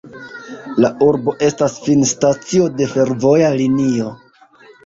La urbo estas finstacio de fervoja linio.